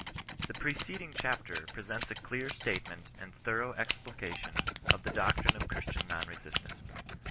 Thb preceding chapter presents a clear statement and thorough explication of the doctrine of Christian non resistance.